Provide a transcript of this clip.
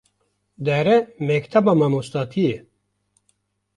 dihere mekteba mamostetiyê